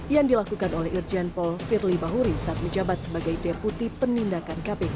yang dilakukan oleh irjen paul firly bahuri saat menjabat sebagai deputi penindakan kpk